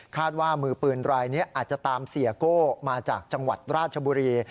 ว่ามือปืนรายนี้อาจจะตามเสียโก้มาจากจังหวัดราชบุรี